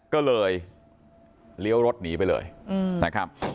ก็เลยเลี้ยวรถหนีไปเลยนะครับ